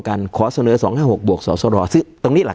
การแสดงความคิดเห็น